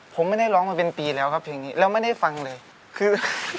ผมไม่ได้ร้องมาเป็นปีแล้วครับเพลงนี้แล้วไม่ได้ฟังเลยคือ